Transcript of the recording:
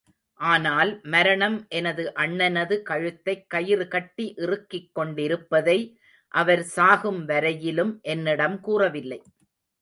ஆனால், மரணம் எனது அண்ணனது கழுத்தைக் கயிறு கட்டி இறுக்கிக் கொண்டிருப்பதை அவர் சாகும்வரையிலும் என்னிடம் கூறவில்லை.